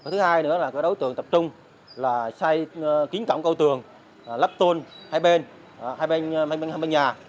thứ hai nữa là các đối tượng tập trung là xây kiến cộng câu tường lắp tôn hai bên hai bên nhà